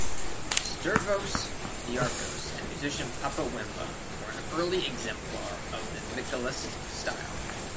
Stervos Niarcos, and musician Papa Wemba, were an early exemplar of the mikiliste style.